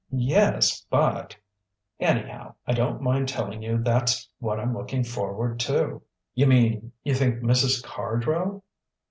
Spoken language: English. "Yes, but " "Anyhow, I don't mind telling you that's what I'm looking forward to." "You mean you think Mrs. Cardrow